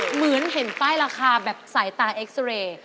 เหมือนเห็นป้ายราคาแบบสายตาเอ็กซาเรย์